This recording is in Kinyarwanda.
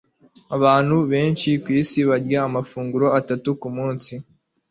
Abantu benshi kwisi barya amafunguro atatu kumunsi.